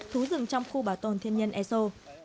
thú rừng trong khu bảo tồn thiên nhiên easo